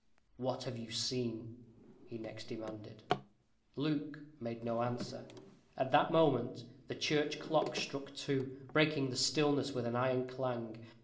"What have you seen?" he next demanded. Luke made no answer. At that moment, the church clock struck two, breaking the stillness with an iron clang.